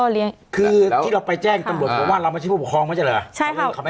เลี้ยงคือที่เราไปแจ้งกับบทบาทเรามาใช้ผู้ปกครองไม่ใช่เหรอใช่ค่ะ